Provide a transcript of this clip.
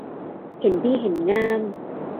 เห็นดีเห็นงาม